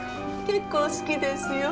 結構好きですよ。